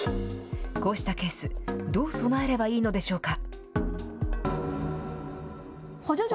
こうしたケース、どう備えればいいのでしょうか。